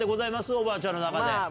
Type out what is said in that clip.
おばあちゃんの中で。